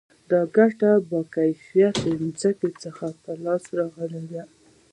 دا ګټه له با کیفیته ځمکې څخه په لاس راځي